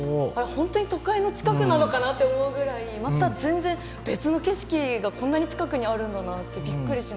本当に都会の近くなのかなって思うぐらいまた全然別の景色がこんなに近くにあるんだなってびっくりしました。